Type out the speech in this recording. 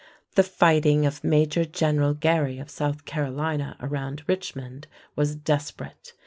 The fighting of Major General Gary of South Carolina around Richmond was desperate.